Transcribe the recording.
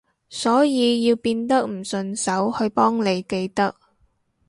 所以要變得唔順手去幫你記得